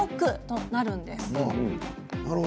となるんです。